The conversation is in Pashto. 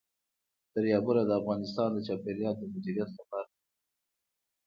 دریابونه د افغانستان د چاپیریال د مدیریت لپاره مهم دي.